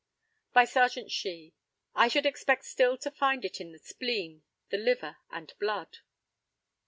By Serjeant SHEE: I should expect still to find it in the spleen, and liver, and blood.